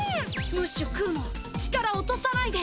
ムッシュくぅも力落とさないで。